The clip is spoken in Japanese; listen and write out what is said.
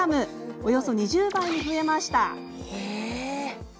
およそ２０倍に増えました。